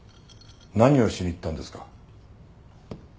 何をしに行ったんですか？